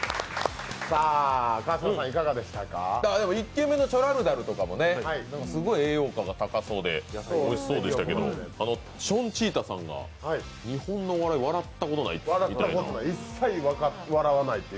１軒目のチョラルダルとかもすごい栄養価が高そうでおいしそうでしたけど、ションチータさんが日本のお笑いで笑ったことがないと。